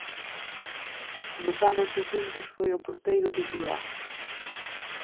Nos anos seguintes foi o porteiro titular.